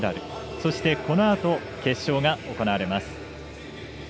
そしてこのあと決勝が行われます。